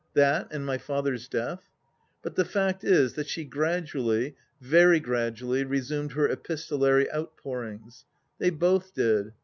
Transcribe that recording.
That and my father's death ?... But the fact is, that she gradually, very gradually, resumed her epistolary outpourings. They both did.